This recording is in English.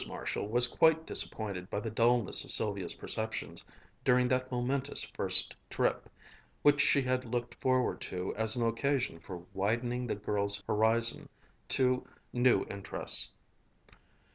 Marshall was quite disappointed by the dullness of Sylvia's perceptions during that momentous first trip, which she had looked forward to as an occasion for widening the girls' horizon to new interests.